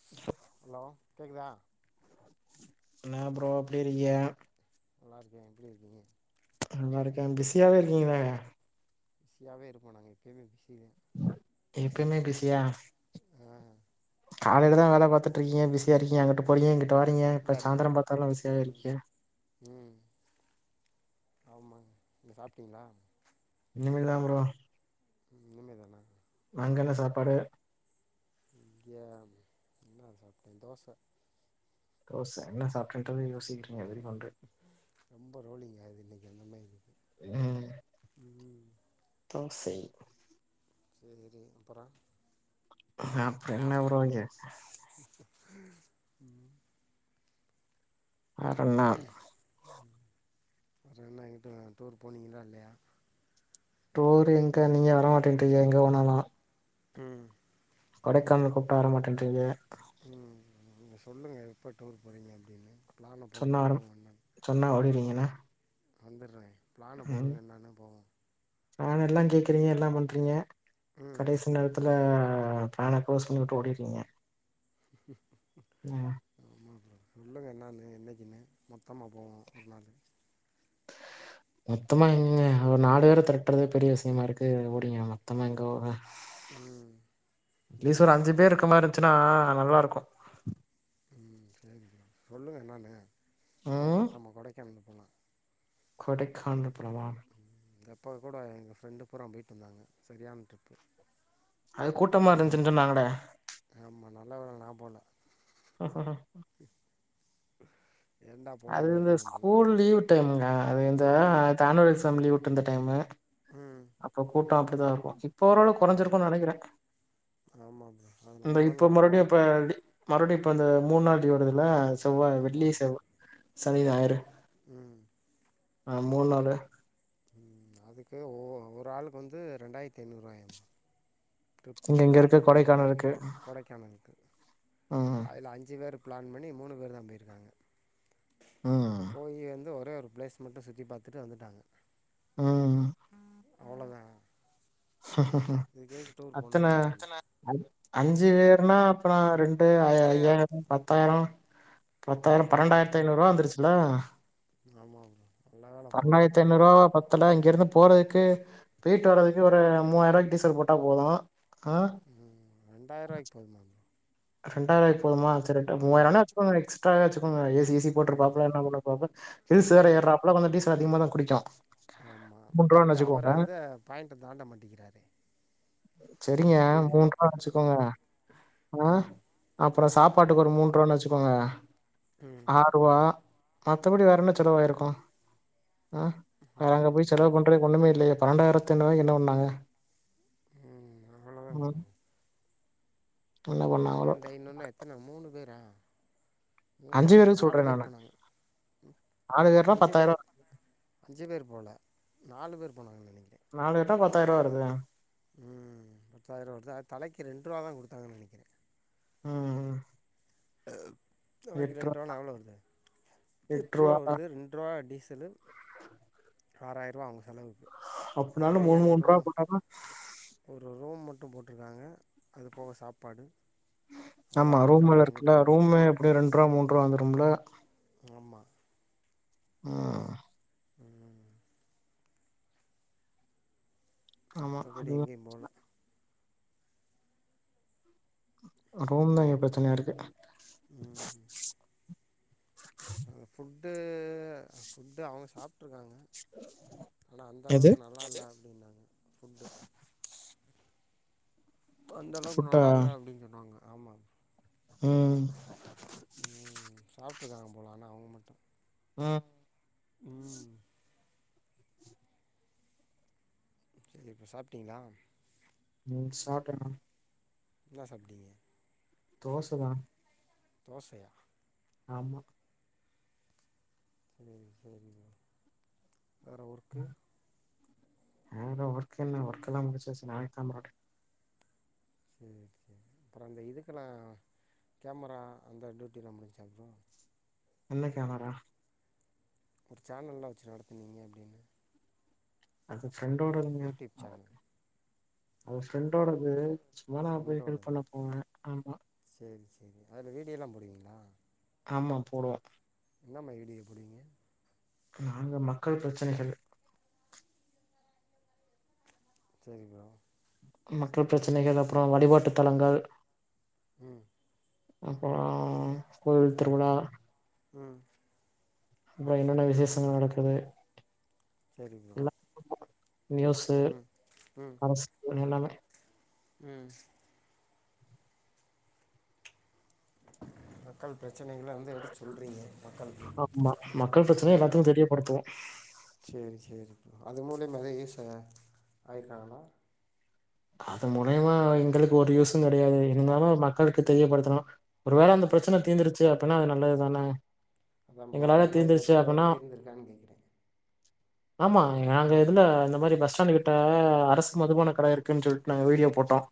[inaudible] Hello கேக்குதா என்னா bro எப்டி இருக்கிய நல்லாருக்கே எப்டி இருக்கீங்க நல்லாருக்கே பிஸியாவே இருக்கீங்ளே பிஸியாவே இருப்போ நாங்க எப்பிமே பிஸி தா எப்பமே பிசியா ம் காலலதா வேல பாத்துட்டு இருக்கீங்க பிஸியா இருக்கீங்க அங்கிட்டு போறீங்க இங்குட்டு வாரீங்க இப்ப இந்தா சாய்ந்தர அடிக்கிறேன் பாத்தாலு பிஸியாவே ம் இருக்கீங்க ம் ஆமாங் நீங்க சாப்ட்டீங்களா இனிமேல் தா ப்ரோ ம் இனிமே தானா அங்கென்ன சாப்பாடு இங்கியா என்ன சாப்ட்டே தோச தோச என்னா சாப்ட்டுட்ன்ற யோசிக்கிற ரொம்ப ரோலிங் ஆகுது இன்னிக்கி அந்த மாரி இருக்கு ம் ம் ம் தோசை சேரி அப்பரோ அப்ரோ என்ன வுடுவாங்கே ம் வேறென்ன வேறென்ன எங்கிட்டு டூர் போனீங்ளா இல்லயா டூர் எங்க நீங்க வர மாட்டேன்றீங்க எங்க போனாலு ம் கொடைக்கானல் கூப்ட்டா வர மாட்டேன்றீங்க ம் நீங்க சொல்லுங்க எப்போ டூர் போறீங்க அப்டின்னு பிளான சொன்னா போடுங்க வர போ என்னனு சொன்னா ஓடிடுவீங்கன வந்துடுறெ பிளான போடுங்க என்னானு போவோ பிளான்லா கேக்குறீங்க எல்லா பண்றீங்க ம் கடைசி சி நேரத்துல பிளான குளோஸ் பண்ணிவிட்டு ஓடிறீங்க ம் ஆமா ப்ரோ சொல்லுங்க என்னன்னு என்னைக்குனு மொத்தமா போவோ ஒரு நாளு மொத்தமா எங்க ஒரு நாலு பேர தெரட்டுறது பெரிய விஷயமா இருக்கு [unintelligible] மொத்தமா எங்க போக ம் அட்லீஸ் ஒரு அஞ்சு பேர் இருக்கமாரி இருந்துச்சுன்னா நல்லாருக்கு ம் சரி ப்ரோ சொல்லுங்க என்னான்னு போவூ ம் மொத்தமா கொடைக்கானல் போலா கொடைக்கானல் போலமா ம் இந்தப்போ கூட எங்க ஃப்ரெண்டு பூரா போயிட்டு வந்தாங்க சரியான ட்ரிப்பு அது கூட்டமா இருந்துச்னு சொன்னாகடே ஆமா நல்ல வேல நா போல [unintelligible] [inaudible] அது போகணும்னு இந்த ஆயிட்டாங்க போல ஸ்கூல் லீவ் டைமுங்க அது இந்த ம் தானுவல் எக்ஸாம் லீவ் உட்டுருந்த டைமு ம் அப்ப கூட்டொ அப்டிதா இருக்கு இப்போ ஓரளவு ஆம் கொறஞ்சிருக்கு நெனக்கிறே ஆமாம் ப்ரோ அது இந்த நல்ல வேளை இப்போ நான் மறுபடியு போகல இப்ப மறுபடியு இப்ப அந்த மூணு நாள் லீவு விடுதுல செவ்வாய் வெள்ளி ஆமாம் செவ்வா சனி ஞாயிறு ம் ஆ மூணு நாளு ம் அதுக்கு ஒ ஒரு ஆளுக்கு வந்து ரெண்டாயிரத்து ஐநூறுூவாயாம்ம ட்ரிப்பு இங்க இங்க இருக்க கார்ல போனாங்க கொடைக்கானல் இருக்கு கொடைக்கானலுக்கு கொடைக்கானலுக்கு அதுல அஞ்சு பேர் பிளான் பண்ணி மூணு பேர் தா போயிருக்காங்க ம் போயேந்து ஒரே ஒரு பிளேஸ் மட்டு சுத்தி பாத்துட்டு வந்துட்டாங்க ம் அவ்ளோதா இதுக்கேக்கு டூர் அத்தன போணுன்ட்டே நானு அஞ்சு வேர்னா அப்பனா ரெண்டு ஐய ஐயாயிர பத்தாயிர பத்தாயிர ம் பன்னென்டாயிரத்து ஐநூறுவா வந்துருச்சுல ஆமா நல்ல வேல போல தெரிய் இப்பனா இங்கிருந்து போறதுக்கு பேயிட்டு வர்ரதுக்கு ஒரு மூவாய்ரவாய்க்கு டீசல் போட்டா போது ஆ ம் ரெண்டாயிரவாய்கு போது ரெண்டாய்ரவாய்க்கு போதுமா சரி ட்டு ஆமா மூவாய்ரவெனா வெச்சுகோங்க எக்ஸ்ரவ வெச்சுக்கங்க ஏசிசி ம் போட்ருபாப்ல என்னவென்ன போது ஹில்ஸ் வேற ம் ஏற்றாப்ல கொஞ்ச டீசல் அதிகமா தா குடிக்கு ஆமா மூன்றுவான்னு அது அவரு வச்சுக்கோங்க அந்த பாயிண்ட தாண்ட மாட்டிக்கிறாரு சரிங்க ஸ்பீடு மூன்றுவா ம் அப்புற சாப்பாட்டுக்கு ஒரு மூண்றுவால வச்சுக்கோங்க ம் ஆறுவா மத்தபடி வேற என்ன செலவாயிருக்கு ஆ அங்க போய் செலவு பண்றதுக்கு ஒண்ணுமே இல்லையா பன்னெண்டாயிரத்தைநூறுவாய்க்கு என்னவன்னாங்க [inaudible] ம் அவ்ளோதா ப்ரோ பண்ணாங்களோ பன்னெண்டு ஐநூற்னா எத்தன மூணு பேரா மூணு அஞ்சு பேருக்கு சொல்றேன் நாலுவேர் நானு போனாங்க நாலு பேர்னா அஞ்சு வேரு பத்தாயிரரூவா அஞ்சு பேர் போல நாலு பேர் போனாங்கன் நெனைக்கிறே நாலு கட்டா பத்தாய்ரவா வருது ம் பத்தாயிர வருது அது தலைக்கு ரெண்ருவா தா குடுத்தாங்கன் நெனைக்கிறே ம் தலக்கி எட்ரூவா ரெண்ருவானா எவ்ளோ வருது து எட்ருவா எட்ரூவா வருது ரெண்ருவா டீசலு ஆறாயிர்வா அவுங்க செலவுக்கு அப்படினாலும் போய் மூணு அங்க மூணு ரூபா ரூம் போட்டாதான் ஒரு ரூம் மட்டு போட்ருக்காங்க அது போக சாப்பாடு ஆமா அவ்வளோதான் ரூம்ல மத்தபடி இருக்குல எங்கிட்டும் போகல ரூமே எப்டி ரெண்ருவா மூண்ருவா வந்துரும்ல ஆமா ஆ ம் ஆமா கபடி அது எங்கியு போல ரூம் தா இங்க பிரச்சனையாருக்கு ம் அந்த ஃபுட்டு ஃபுட்டு அவுங்க சாப்ட்ருக்காங்க ஆனா எது அந்தளவுக்கு ந வெல ஜாஸ்தினாங்க ஃபுட்டு அந்தளவுக்கு ஃபுட்டா நல்லா இல்ல அப்டின் சொன்னாங்க ஆமா ம் ம் சாப்ட்ருக்காங்க போலா ஆனா அவுங்க மட்டு ம் ம் சரி இப்ப சாப்ட்டீங்ளா ம் சாப்ட இன்ன சாப்டிங்க தோச தான் தோசையா ஆமா சேரி சரிங்க வேற ஒர்க்கு இந்த ஒர்க்கெல்லா ஒர்க்கலாம் முடிச்சிட் ஸ்நாக்ஸ் [unintelligible] சரி அப்புறம் அந்த இதுக்கெல்லா கேமரா அந்த டியூட்டிலா முடிஞ்சம் ப்ரோ என்ன கேமரா புடிச்சா நல்லா வச்சு நடத்துவீங்க அப்டினு அது ஃப்ரண்டோடதுங்க யூடியூப் சேனல் அது ஃப்ரெண்டோடது மோனா போய் ஹெல் பண்ண போவேன் ஆமா செரி சரி அதுல வீடியோல்லாம் போடுவீங்களா ஆமா போடுவ என்ன மாரி வீடியோ போடுவீங்க நாங்க மக்கள் பிரச்சனைகள் சேரி ப்ரோ மக்கள் பிரச்சனைகள் அப்றோ வழிபாட்டுத் தலங்கள் உம் அப்புறோம் கோயில் திருவுழா உம் என்னென்ன விசேஷங்கள் நடக்குது சரி ப்ரோ இல்ல நியூஸு அரசு எல்லாமே உம் மக்கள் பிரச்சனைகள வந்து எடுத் ஆம்மா மக்கள் பிரச்சனைய எல்லாத்துக்கும் தெரியப்படுத்துவோம் செரி செரிப்போ அது மூலையும் நெறய யூஸ்சுங்க ஆயிக்காங்களா அது மூலியமா எங்களுக்கு ஒரு யூசும் கடையாது இருந்தாலும் மக்களுக்கு தெரியப்படுத்துரோம் ஒரு வேல அந்த பிரச்சன தீந்தருச்சு அப்பன்னா அது நல்லதுதான அது ப்ரோ எங்களால அந்த மாரி தீந்துருச்சு அப்டின்னா பிரச்சனைைகள் தீர்ந்திருக்கான் கேட்கற ஆமா யாந்த இதுல இந்த மாரி பஸ் ஸ்டாண்டு கிட்ட அரசு மதுபான கடை இருக் குன் சொல்ட்டு நாங்க வீடியோ போட்டோம்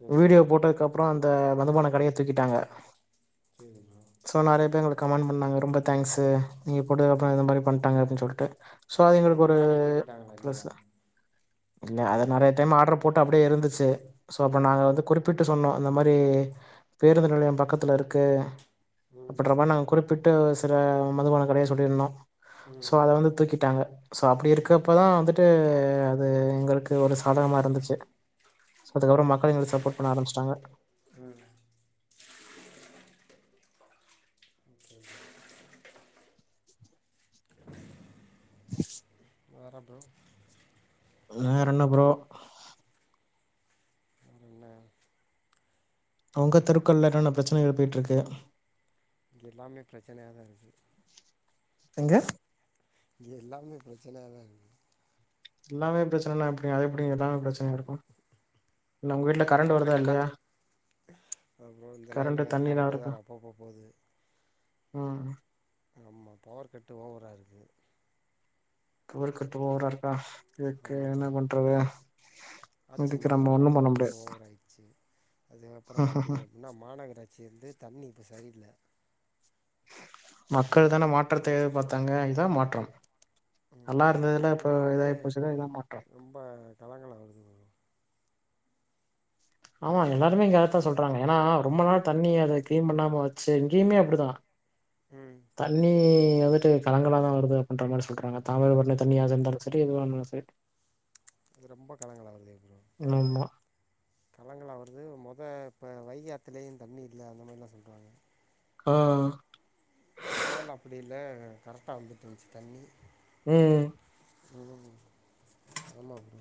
சரி வீடியோ ப்ரோ போட்டதுக்கு அப் ப்ரோம் அந்த மதுபான கடையை தூக்கிட்டாங்க சேரி ப்ரோ ஸோ நறைய பேர் எங்களுக்கு கமெண்ட் பண்ணாங்க ரொம்ப தேங்க்ஸ் நீங்க போட்டது அப்புறம் இந்த மாரி பண்ட்டாங்க அப்பன் சொல்ட்டு ஸோ அது எங்களுக்கு அதுக்கு ஒரு முன்னாடியே தூக்கிட்டாங்களா இல்லையா ப்ளஸ்சு இல்ல அத நறைய டைம் ஆர்டர் போட்டு அப்டியே இருந்துச்சு சோ அப்ப ம் நாங்க வந்து குறிப் பிட்டு சொன்னோம் இந்த மாரி பேருந்து நிலையம் பக்கத்துல்ல இருக்கு ம் அப்புறம நாங்க குறிப் பிட்டு சில மதுபான கடைய சொல்லிருந்தோம் சோ ம் அத வந்து தூக்கிட்டாங்க சோ அப்படி இருக்கப்பதான் வந்துட்டு அது எங்களுக்கு ஒரு சாதகமா இருந்துச்சு அதுக்கப்புறம் மக்கள் எங்களுக்கு சப்போர்ட் பண்ண ஆரம்பிச்சிட்டாங்க உம் ஓகே [unintelligible] வேற ப்ரோ வேற என்ன ப்ரோ அப்றோம் என்ன உங்க தெருக்கள்ல என்னென்ன பிரச்சனைகள் எழுப்பிட்ருக்கு இங்க எல்லாமே பிரச்சனையாதா இருக்கு எங்க இங்க எல்லாமே பிரச்சனையதா இருக்கு எல்லாமே பிரச்சனைனா எப்புடிங்க அது எப்புடிங்க எல்லாமே பிரச்சனையா இருக்கோ இல்ல உங்க வீட்ல கரண்டு வருதா இல்லயா அப்புறோ இந்தனாய் எனக்கு தண்ணிலாம் கரண்ட்டு வேற இருக்கா? அப்பப்போ போது ம் ஆமா பவர் கட்டு ஓவரா இருக்கு பவர் கட்டு ஓவரா இருக்கா இதுக்கு ஆமாம் என்ன ப்ரோ பண்றது ஆட்சி இதுக்கு நம்ம மாறினாங்கனா ஒண்ணும் பண்ண பவர் கட்டு முடியாது. ஓவரா ஆயிச்சு அதுக்கப்புறோ பாத்தீங்க ன்னா மாநகராட்சி இருந்து தண்ணி இப்ப சரியில்ல மக்கள் தானே மாற்றத்தை எதிர்பாத்தாங்க இதா மாற்றம் நல்லா ம் இருந்ததுல இப்ப தண்ணி இதா வந்து போய்ச்சுல இதா மாற்றம் ரொம்ப கலங்களா வருது ப்ரோ ஆமா எல்லாருமே இங்க அதத்தா சொல்றாங்க ஏனா ரொம்ப நாள் தண்ணி அத க்ளீன் பண்ணாம வெச்சி இங்கேயுமே அப்புடிதா ம் தண்ணி வந்துட்டு கலங்களாதா வருது அப்டீன்ற மாரி சொல்றாங்க தாமபரணி தண்ணியாக இருந்தாலு செரி எதுவானாலோ செரி [unintelligible] அது ரொம்ப கலங்களாக வருதே ப்ரோ ஆமா கலங்களா வருது மொத இப்ப வைகையாத்துலயு தண்ணி இல்ல அந்த மாரிலா சொல்றாங்க ஆ மொதல்ல அப்புடி இல்ல கரட்டா வந்துட்டுன்ச்சு தண்ணி ம் உ ஆமா ப்ரோ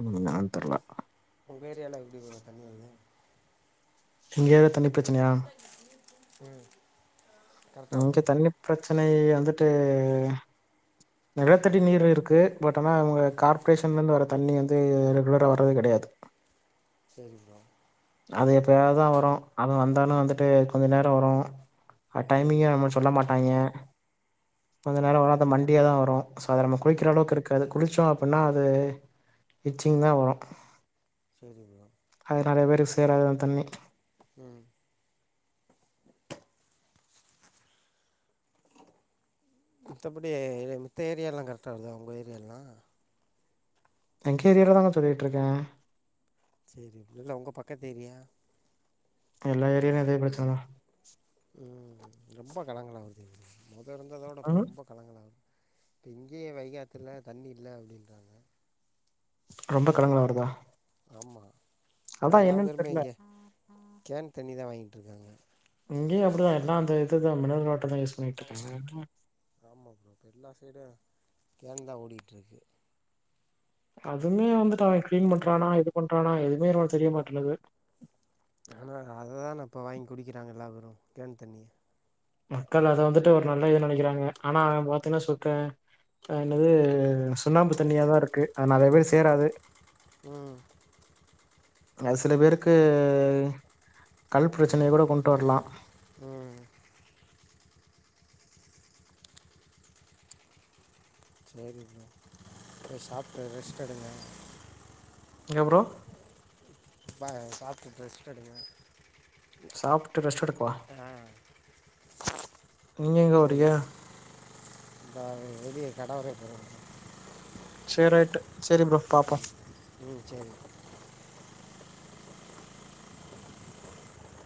ம் இன்னானு தெர்ல உங்க ஏரியால எப்டி ப்ரோ தண்ணி வர்து எங்கயாவது தண்ணி பிரச்சனையா ம் கரெக்டாக இங்க வருதா தண்ணி பிரச்சனை வந்துட்டு நிலத்தடி ப்ரோ ம் நீர் இருக்கு பட் ஆனா அவங்க கார்பரேஷன்ல இருந்து வர தண்ணி வந்து ரெகுலரா வரது கெடையாது சேரி ப்ரோ அது எப்பயாதுதா வரோ அது வந்தாலும் வந்துட்டு கொஞ்ச நேரோ வரோ அது சரி டைமிங்கே ப்ரோ நம்ம சொல்ல மாட்டாய்ங்க கொஞ்ச நேரோ வராது மண்டியாதா வரோ சோ அத நம்ம குளிக்கிற ம் அளவுக்கு இருக்காது குளிச்சோ அப்டீன்னா அது இச்சிங்கா வரோ செரி ப்ரோ அது நறைய பேருக்கு சேராதுதா தண்ணி ம் மித்தபடி மித்த ஏரியாலலா கரெக்டா வருதா உங்க ஏரியாலலா எங்க ஏரியால தாங்க சொல்லிகிட்ருக்கே செரி இல்ல உங்க பக்கத்தேரியா எல்லா ஏரியாலயோ அதே பிரச்சனதா ம் ரொம்ப கலங்களா வருது மொத இருந்ததோட தா இப்போ ம் ரொம்போ கலங்கலா வரோ இப்ப இங்கேயே வைகாத்துல தண்ணி இல்ல அப்டீன்றாங்க ரொம்ப கலங்களலா வருதா ஆமா இப்போ அதா எல்லா என்னன்னு பேருமே தெர்ல இங்கே கேன் தண்ணிதா வாங்கிட்டுருக்காங்க இங்கய அப்படிதா எல்லா அந்த இதுதா மினரல் வாட்டர்தா யூஸ் பண்ணிட்டு இருக்காங்க ஆமா அப்புறோ இப்ப எல்லா சைடு கேன்தா ஓடிட்டு இருக்கு அதுமே வந்துட்டு அவன் கிளீன் பண்றானா இது பண்றானா எதுவுமே நமக்கு தெரிய மாட்டுனுது ஆனா அததான இப்போ வாங்கி குடிக்கிறாங்க எல்ல பேரு கேன் தண்ணிய மக்கள் அத வந்துட்டு ஒரு நல்ல இது நெனைக்கிறாங்க ஆனா அவ [unintelligible] சுத்த ம் என்னது சுண்ணாம்பு தண்ணியாதா இருக்கு அது நெறைய பேரு சேராது ம் அது சில பேருக்கு கல் பிரச்சனைய கூட கொண்டு வரலா ம் சேரி ப்ரோ இப்ப சாப்பட்டு ரெஸ்ட் எடுங்க எங்க ப்ரோ பா சாப்பிட்டுட்டு ரெஸ்ட் எடுங்க சாப்ட்டு ரெஸ்ட் எடுக்கவா ஆ நீ எங்க சேரி வரியா ப்ரோ இந்தா வெளிய கடவரையு போர ப்ரோ சேரி ரைட்டு சேரி ப்ரோ பாப்போ ம் ம் சேரி